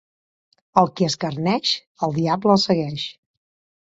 El qui escarneix, el diable el segueix.